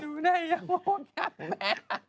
ดูได้ยังหมดยังแม่